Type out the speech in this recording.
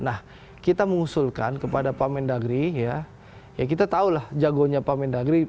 nah kita mengusulkan kepada pak mendagri ya kita tahulah jagonya pak mendagri